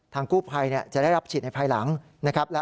กู้ภัยจะได้รับฉีดในภายหลังนะครับ